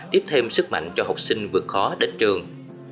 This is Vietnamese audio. tiếp thêm sức mạnh cho học sinh vượt khó đến trường